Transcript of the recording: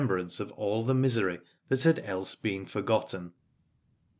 Alad ore brance of all the misery that had else been forgotten.